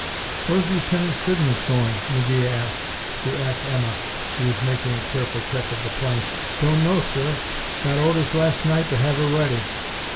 "Where's Lieutenant Siddons going?" McGee asked the Ack Emma who was making a careful check of the plane. "Don't know, sir. Got orders last night to have her ready."